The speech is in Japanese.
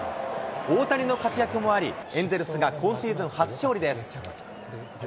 大谷の活躍もあり、エンゼルスが今シーズン初勝利です。